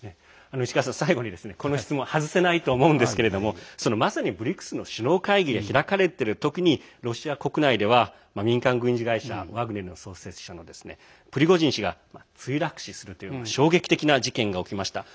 最後にこの質問外せないと思うんですけどまさにＢＲＩＣＳの首脳会議が開かれている時にロシア国内では民間軍事会社ワグネルの創設者のプリゴジン氏が墜落死するという衝撃的な事件が起きました。